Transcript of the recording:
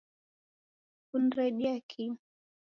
Kuniredia kii